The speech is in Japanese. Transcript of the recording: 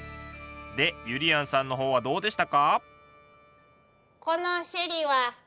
でゆりやんさんの方はどうでしたか？